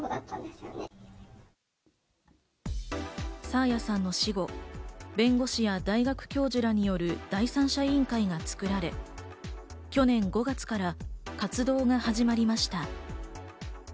爽彩さんの死後、弁護士や大学教授らによる第三者委員会が作られ、去年５月から活動が始まりました。